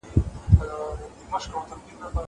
روح مي یاردی يارخو یاردی